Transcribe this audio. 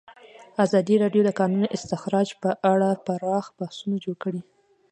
ازادي راډیو د د کانونو استخراج په اړه پراخ بحثونه جوړ کړي.